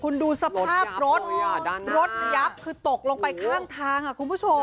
คุณดูสภาพรถรถยับคือตกลงไปข้างทางคุณผู้ชม